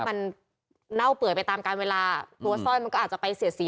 มันเน่าเปื่อยไปตามการเวลาตัวสร้อยมันก็อาจจะไปเสียสี